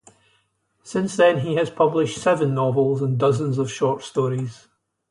Since then, he has published seven novels and dozens of short stories.